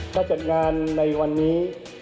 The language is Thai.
ถ้าจัดงานในวันนี้